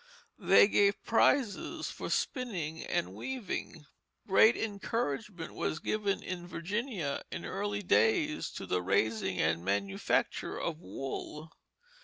They gave prizes for spinning and weaving. Great encouragement was given in Virginia in early days to the raising and manufacture of wool.